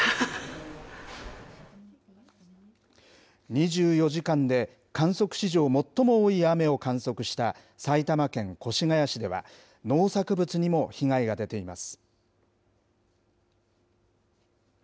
２４時間で観測史上最も多い雨を観測した埼玉県越谷市では、農作物にも被害が出ています。